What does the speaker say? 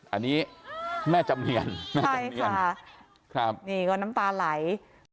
อันนี้แม่จำเนียนแม่จำเนียนครับนี่ก็น้ำตาไหล